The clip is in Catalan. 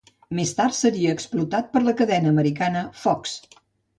Més tard seria explotat per la cadena americana Fox.